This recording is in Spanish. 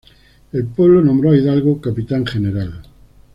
El pueblo nombró a Hidalgo capitán general.